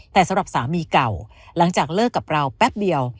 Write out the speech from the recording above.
แต่สำหรับสามีเก่าหลังจากเลิกกับเราแป๊บเดียว